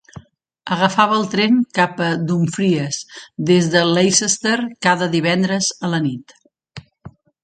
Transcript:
Agafava el tren cap a Dumfries des de Leicester cada divendres a la nit.